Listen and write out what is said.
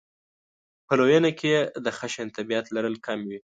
په لویېنه کې یې د خشن طبعیت لرل کم وي.